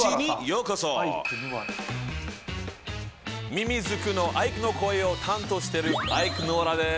ミミズクのアイクの声を担当してるアイクぬわらです。